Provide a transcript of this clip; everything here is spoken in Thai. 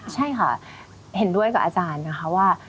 ใช่ค่ะเห็นด้วยกับอาจารย์นะคะว่า